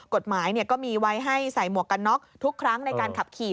กฎหมายก็มีไว้ให้ใส่หมวกกันน็อกทุกครั้งในการขับขี่